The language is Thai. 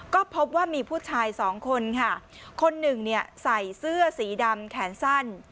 ก็พบว่ามีผู้ชายสองคนค่ะคนหนึ่งเนี่ยใส่เสื้อสีดำแขนสั้น